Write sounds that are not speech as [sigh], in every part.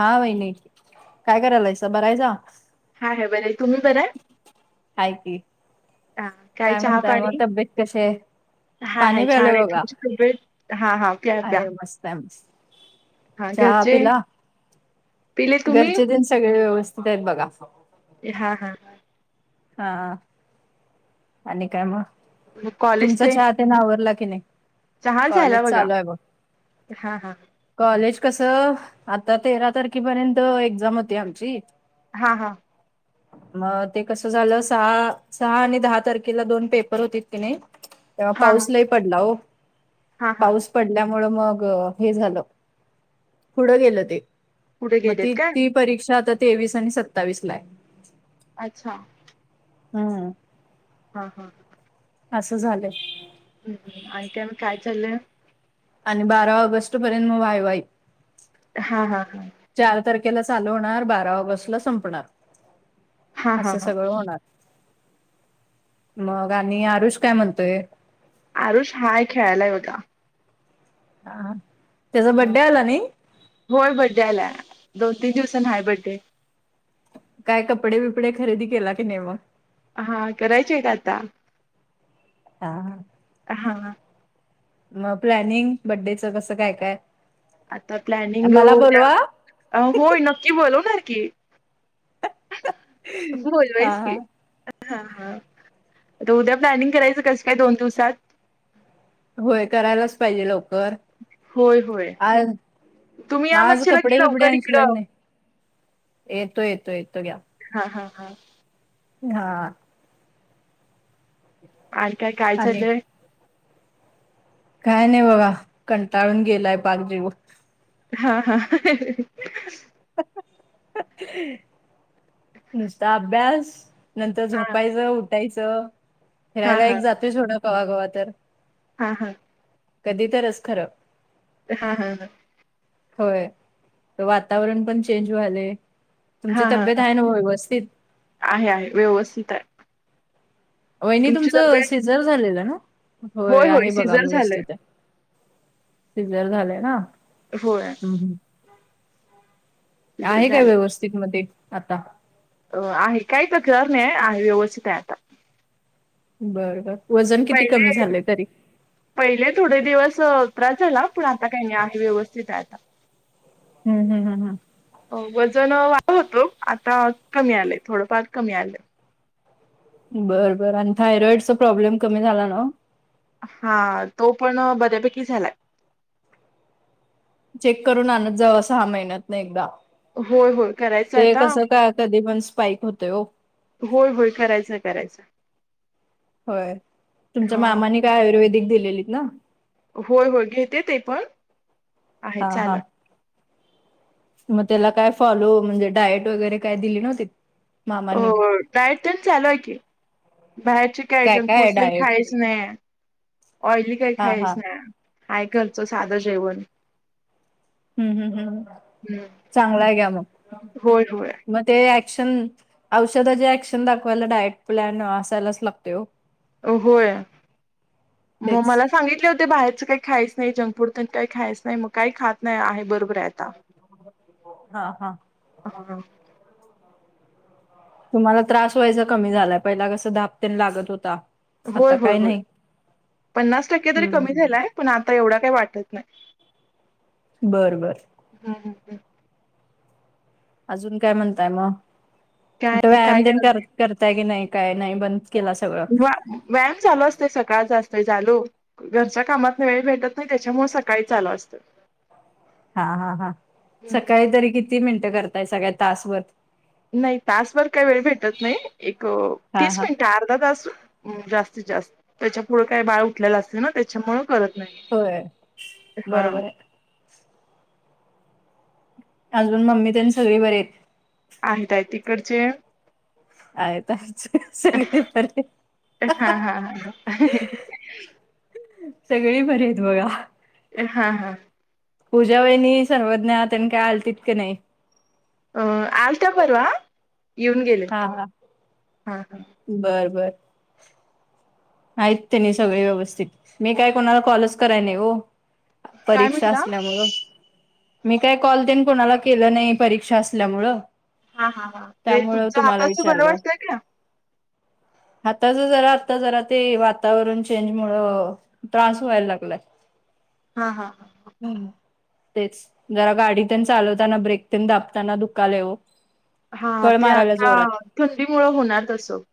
हा बहिणी काय करायलायसं बरायचा? हाय हाय बरं हाय. तुम्ही बर आहे? आहेय की. हां, काय चहा म्हणताय मग पाणी? तब्येत कसे आहे? पाणी प्यायला बघा. ब हा हा. आहे मस्त आहे मस्त. हां चहा घरचे पिला? पिले तुम्ही? घरचे तेन सगळे व्यवस्थित आहेत बघा हा हा. हा. आणि काय मग. मग कॉलेज तुमचा ते? चहा तेन आवरला की नाही? चहा झाला कॉलेज बघा चालू आहे बघ हा हा. कॉलेज कसं आता तेरा तारखेपर्यंत एक्झाम होती आमची. हा-हा. मग ते कसं झालं सहा-सहा आणि दहा तारखेला दोन पेपर होतेत कि नय, तेव्हा हां हां. पाऊस लय पडला हो हां हां. पाऊस पडल्यामुळ मग हे झालं, पुढं गेलं ते. पुढे मग गेलेत काय? ती-ती परीक्षा आता तेवीस आणि सत्तावीस ला ये. अच्छा. हम्म. हं-हं. असं झालं. हम्म ह्म, आनखिन काय चाललंय? आन बारा ऑगस्ट पर्यंत मग वाई-वाई. हा-हा. चार तारखेला चालू होणार, बारा ऑगस्ट ला संपणार. हां हां असं हां. सगळं होणार. मग आणि आरुष काय म्हणतोय? आरुष हाय खेळायलाय बघा. हं, त्याचा बड्डे आला नाही? बोल बड्डे आला. दोन-तीन दिवसांनं हाय बड्डे. काय कपडे-बिपडे खरेदी केला की नई मग? हा, करायचेत आता. हा, हां. मग प्लॅनिंग बड्डेच कसं काय-काय? आता प्लॅनिंग उद्या. अं होय, नक्की बोलवणार की. हा बोलव्यास हा कि. हा हा. तर उद्या प्लॅनिंग करायचं कसं काय, दोन दिवसात? व्हय करायलाच पाहिजे लवकर. होय होय आज तुम्ही म या आज म्हणशीला की कपडे-बिपडे लवकर आणशीला का इकडं नाई? येतो-येतो-येतो घ्या. हा-हा-हा. हां. आनखी काय आणि चालय? काय-नाय बघा कंटाळून गेलाय, पार जीव. हा-हा. [unintelligible] नुसता अभ्यास नंतर झोपायचं, उठायचं, हां फिरायला हां एक जातोय थोडं कवा-कवा तर. हं हा. कधी तरच खरं हा-हा-हा. होय, वातावरण पण चेंज व्हायले. तुमची तब्येत आहे न व्हय व्यवस्थित? आहे-आहे, व्यवस्थित आहे. वहिनी तुमची तुमचं तब्येत सिजर झालेलं ना? होय, आहे बघा व्यवस्थित हे. सिजर झालेय ना? होयं. ह्म ह्म. सिझर आहे रे, झालंय व्यवस्थित म ते आता. अं आहे, काय तक्रार नाय आहे व्यवस्थित आहे आता. बर बर वजन किती? कमी पहिले झाले तरी- पहिले थोडे दिवस त्रास झाला पण आता काही नाही आहे व्यवस्थित आहे. आता- हम् -हम- हम हम- वजन अ वा होतो आता कमी आलंय थोडंफार कमी आलंय. बरं -बर आणि थायरॉइडचा प्रॉब्लेम कमी झाला ना? हा तो पण बऱ्यापैकी झालाय. चेक करून आणत जावा सहा महिन्यात न एकदा- होय होय करायचं ते आता कस काय कधी पण स्पाईक होतय. हो- होय- होय करायचं करायचं- होय तुमच्या हा. मामाने काय? आयुर्वेदिक दिलेलीत ना- होय होय घेते ते पण आहे, हा हा चालु. मग त्याला काय फॉलो म्हणजे डायट वगैरे काय? दिली नव्हती. अ डाएटच चालू आहे की, बाहेरचे काय जंक फूडस खायच स्नॅक ऑइली काय हा खायच हा नाही आहेा घरचं साधं जेवण. हम्म हम्म हम् हम्म. चांगला आहे घ्या मग- होय होय मग ते ऍक्शन औषधाचे ऍक्शन दाखवायला डाएट प्लॅन असायलाच लागतोय ओ- होय मग तेच मला सांगितले होते बाहेरच काय- खायच नाही जंक फूड तेन काही खायच नाही मग काय खात नाही आहे बरोबर आहे. हा हा [inaudible] हम- तुम्हाला त्रास व्हायचा कमी झालाय पहिला कसं धापतेन लागत होता. होय आता होय काय होय नाही. पन्नास टक्के तरी कमी हम्म झालाय पण आता एवढा काही वाटत नाही. बरं बर- हम हम हम- अजून काय? म्हणताय मग काय कुठे काय व्यायाम तेन करायचं कर करताय की नाही काय? नाही बन- केला सगळं- वा- व्यायाम चालू असते सकाळच असते चालू. घरच्या कामातन वेळ भेटत नाही त्याच्यामुळ सकाळी चालू असतं. हा हा हा हम्म. सकाळी तरी किती मिनिटं करताय सगळ्यात तासभर. नाही तासभर काही वेळ भेटत नाही एक हा तीस हा मिनिट अर्धा तास- जास्तीत जास्त त्याच्या पुढं काय बाळ उठलेल असत ना त्याच्यामुळे - करत होय नाही हा- बरोबर आहे अजून मम्मीनं त्येनं सगळी बरे आहेत. आहेत, आहेत तिकडचे- आहेत आहेत सगळे बरे [inaudible] हा हा हा सगळी बरी आहेत बघा- हा हा- पूजा वहिनी सर्वज्ञ त्यांनी काय आलतीत का नाही. अ आलत्या परवा येऊन गेलेत हा हा हा - बर -बर- आहेत त्यांनी सगळे व्यवस्थित मी काय कोणाला कॉलच कराय नाही हो - काय परीक्षा म्हटला? असल्यामुळं- मी काय कॉल तेंन कोणाला केलं नाही परीक्षा असल्यामुळं- हा हा हा ते त्यामुळं तुमच तुम्हाला हाताच बर विचारलं वटतंय का? हाताच जरा आता जरा- ते वातावरण चेंज मुळ त्रास व्हायला लागलाय. हा हा हम् तेच जरा गाडी ते चालवताना ब्रेक ते दाबताना दुखायला लागलं हो. हा ते आता थंडी मुळे होणार तसं -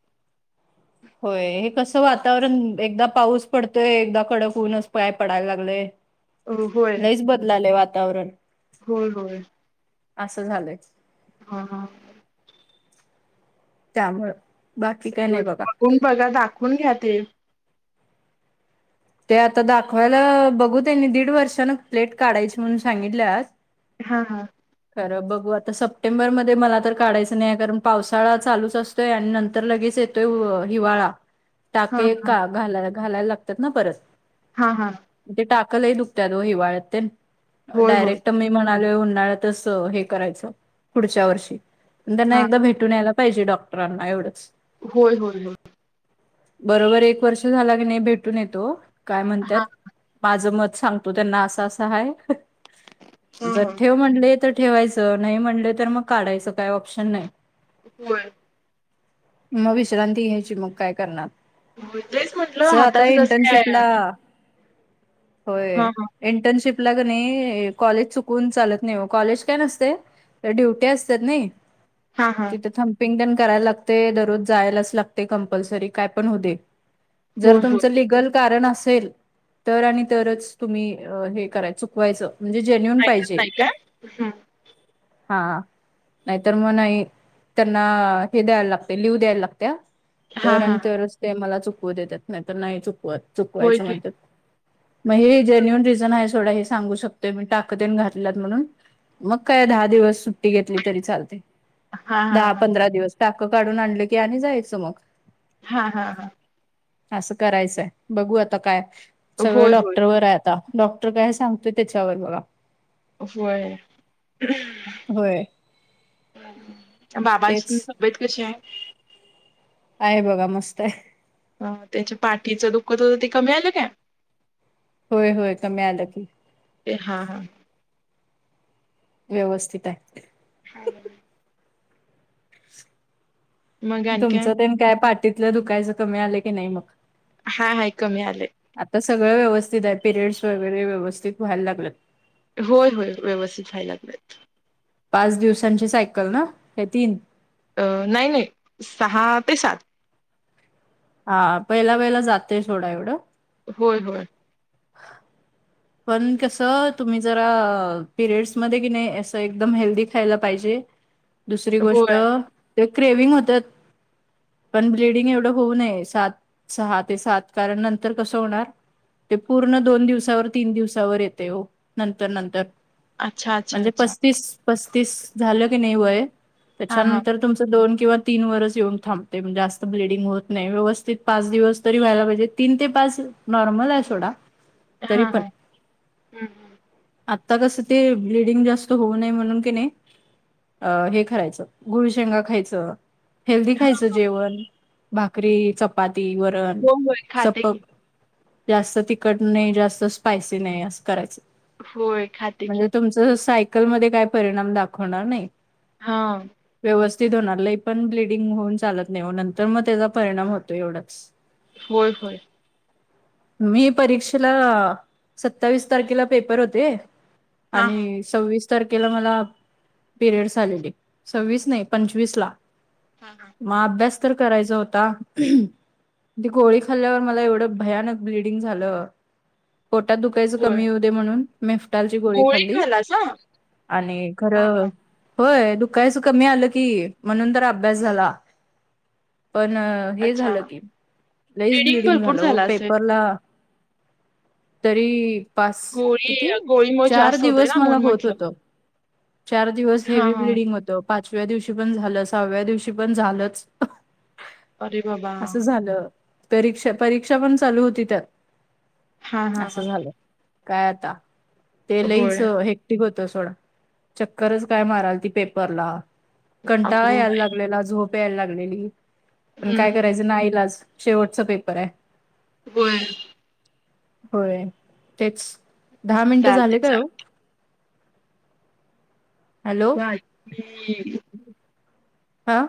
होय हे कसं वातावरण एकदा पाऊस पडतोय, एकदा कडक होऊनच पाय पडायला लागलंय. अ होय लईच बदलालय वातावरण. होय होय असं झालंय. हा हा त्यामुळे. बघून बघा दाखवून घ्या ते. ते आता दाखवायला बघू त्यांनी दीड वर्षान प्लेट काढायची म्हणून सांगितल्यात. हां हां खरं बघू आता. सप्टेंबरमध्ये मला तर काढायचं नाही कारण पावसाळा चालूच असतो. य आणि नंतर लगेच येतोय हिवाळा. हा टाके एक हा का घालाय घालायला लागतात ना परत. हा हा ते टाक्क लंय दुखत्या दो हिवाळ्यात ते न होय होय डायरेक्ट मी म्हणाल उन्हाळ्यात- तस हे करायच पुढच्या वर्षी त्यांना हा एकदा भेटून यायला. पाहिजे डॉक्टरांना एवढंच. होय होय होय बरोबर एक वर्ष झाला की नाही भेटून येतो काय म्हणतात. हा माझं मत सांगतो त्यांना असं असं हाय. हा जर हा. ठेव म्हणले- ठेवायचं नाही म्हणले तर मग काढायचं काय ऑप्शन नाही. होय मग विश्रांती घ्यायची मग काय करणार. होय तेच म्हटलं सर आता हाताच कसं काय इंटर्नशिपला होय. हा हा इंटर्नशिप ला क नाही कॉलेज चुकून चालत नाही. कॉलेज काय नसते. तर ड्युटी असतात नाही हा हा. तिथं - पिंगण करायला लागते. दररोज जायलाच लागते कंपल्सरी काय पण होऊ दे. जर होय तुमच होय लीगल- कारण असेल तर आणि तरच तुम्ही हे करा चुकवायचं. ण जन्यन [inaudible] ऐकच नाही काय हा नाहीतर मग नाही, त्यांना हे द्यायला लागते लिव द्यायला लागते. हा तर हा आणी तर ते चुकवून मला देतात. नाहीत नाही चुकवत होय चुकवायचं की म्हणतात. मग हे जेन्युन रिझन आहे सोडा हे सांगू शकतोय मी ताकदन घातल्यात म्हणून, मग काय दहा दिवस सुट्टी घेतली तरी चालते. हा हा दहा हा पंधरा दिवस. टाकं काढून आणलं की आणि जायचं मग. हा हा हा असं करायचंय. बघू आता काय सगळं होय होय. डॉक्टरवर आहे आता. डॉक्टर काय सांगतोय त्याच्यावर बघा. होय हम्म होयं तुमच्या तेच बाबांची त तब्येत कशी आहे आहे बघां मस्तं आहे अं त्यांच्या पाठीचं दुःख होतं तरं ते कमी झालं कायं होयं होयं कम्यांला की ते हां हां व्यवस्थित आहेतं हे मग आणि काय? तुमचं ते कायं पाठीतलं दुकायचं कमी आलं की नाहीं मंग हां हांय कमी आलेय आंता सगळं व्यवस्थित आहे पिरियड्स वगैरें व्यवस्थित व्हांयला लागतं होयं होयं व्यवस्थित व्हांयला लागलेत पांच दिवसांची सायकल नां हे तीनं नाहीं नाहीं सहा ते सात हां पहिला वहिला जातंय थोडां एवढं होयं होयं पणं कसं तुम्हीं जरां पिरियड्स मध्यें की नाहीं असं एकदंम हेल्दी खांयला पाहिजे दुसरी होय. गोष्टं ते क्रेवि्हंग होतं पणं ब्लडिंग एवढं होऊं नये सात सहा ते सात कारणं नंतर कसं होणारं ते पूर्ण दोन दिवसांवर तीनं दिवसांवर येते हो नंतर नंतर अच्छा अच्छा म्हणजे अच्छा. पस्तीस पस्तीस झालं की नाहीं वयं हा हा त्यांच्यानंतर तुमचं दोन किंवा तीनं वरंस येऊंन थांबते म्हणे जास्तं ब्लडिंग होतं नाहीं व्यवस्थित पांच दिवसं तरी व्हांयला पाहिजे तीन ते पांच नॉर्मल आहे सोंडा हां हां हम्मं आंत्ता कसं ते ब्लिडिंग जास्तं होऊं नये म्हणूंन की नाहीं अं हे खांयाचं गुंळ शेंगा खायचं हेल्दी हा खायचं जेवणं भाकरी चपांती वरणं हो होय खाते चंपक की. जास्तं तिखंट नाहीं जास्तं स्पायसी नाहीं असं करायचं होयं खाते की सायकलंमध्यें कायं परिणाम दाखवणारं नाहीं हां व्यवस्थित होणारं ल पणं ब्लिडिंग होऊंन चालतं नाहीं नंतर मंग त्यांचा परिणांम होतो एवढांच होयं होयं मी परीक्षेला सत्तावीस तारखेला पेपर होते हा हा. आणि सव्वीस तारखेला मलां पिरियडस आलेले सव्वीस नाहीं पंचवीस लां. हां हां, मंग अभ्यास तरं करांयचा होतां, ती गोळी खाल्ल्यांवर मलां एवढं भयांनक ब्लिडिंग झालं पोटांत दुखायचं होय. कमी होऊं दे म्हणूंन, मेफटांलची गोळी खांल्ली आणि हा खरं हा होयं दुखायचं कमी आलं की म्हणूंन तरं अभ्यास झालां पणं हे अच्छा. झालं. की लईस ब्लिडिंग ब्लडिंग भरपूर झालं हो असेल. पेपरला. तरी पाच गोळी किती गोळीमुळे चार जास्त होतय दिवस ना मला म्हणून होत म्हंटलं. होत. चार दिवस हा हेवी हा ब्लडिंग होत. पाचव्या दिवशी पण झालं, सहाव्या दिवशी पण झालंच. अरे बाबा असं झालं. परीक्षा परीक्षा पण चालू होती, त्यात. हा हा हा असं झालं. काय आता ते लैच होय हेक्टिक होतं सोडं चक्करच काय माराल ती पेपरला कंटाळा अगो यायला लाग मुलीला झोप याय लागलेली पण काय हम्म करायच नाईलाज शेवटच पेपर आहे. व्हय, होय. तेच दहा मिनट चालते झाले काय हो, हॅलो, आईकली, हा,